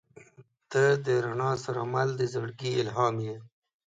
• ته د رڼا سره مل د زړګي الهام یې.